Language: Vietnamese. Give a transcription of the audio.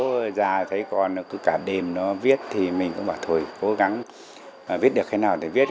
thì bố già thấy con nó cứ cả đêm nó viết thì mình cũng bảo thôi cố gắng viết được thế nào để viết